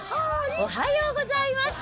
おはようございます。